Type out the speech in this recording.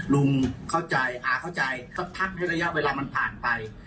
ลุงเข้าใจอาเข้าใจเขาพักให้ระยะเวลามันผ่านไป